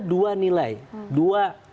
dua nilai dua